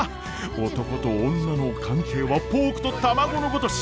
男と女の関係はポークと卵のごとし！